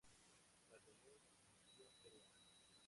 Batallón "Legión Peruana".